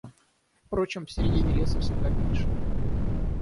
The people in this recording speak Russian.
Впрочем, в середине леса всегда меньше.